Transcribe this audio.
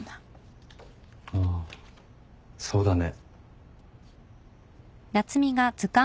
ああそうだね。